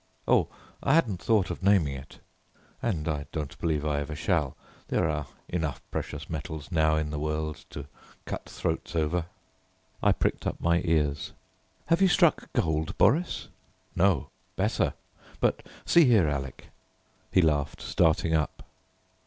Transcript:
"Oh, I haven't thought of naming it, and I don't believe I ever shall. There are enough precious metals now in the world to cut throats over." I pricked up my ears. "Have you struck gold, Boris?" "No, better; but see here, Alec!" he laughed, starting up.